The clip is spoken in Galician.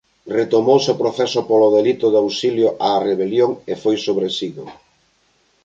Retomouse o proceso polo delito de auxilio á rebelión e foi sobresido.